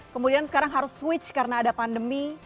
kemudian sekarang harus switch karena ada pandemi